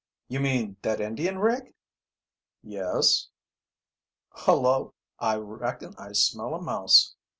"You mean that Indian rig?" "Yes." "Hullo, I reckon I smell a mouse!"